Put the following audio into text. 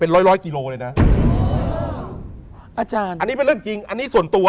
ร้อยร้อยกิโลเลยนะอาจารย์อันนี้เป็นเรื่องจริงอันนี้ส่วนตัว